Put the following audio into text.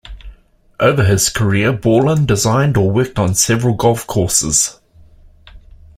Over his career, Borland designed or worked on several golf courses.